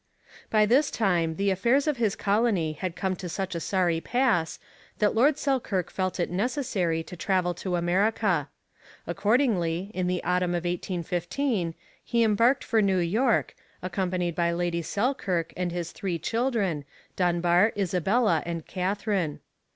By this time the affairs of his colony had come to such a sorry pass that Lord Selkirk felt it necessary to travel to America. Accordingly, in the autumn of 1815, he embarked for New York, accompanied by Lady Selkirk and his three children, Dunbar, Isabella, and Katherine.